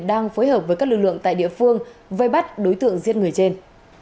đang phối hợp với các lực lượng tại địa phương vây bắt đối tượng giết người trên